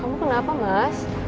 kamu kenapa mas